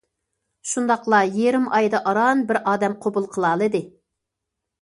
شۇنداقلا يېرىم ئايدا ئاران بىر ئادەم قوبۇل قىلالىدى.